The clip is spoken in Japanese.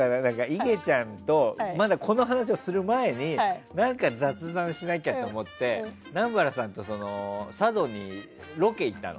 いげちゃんとこの話をする前に何か雑談しなきゃと思って南原さんと佐渡にロケに行ったの。